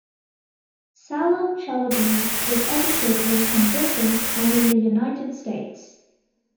Salem Chalabi was educated in Britain and in the United States.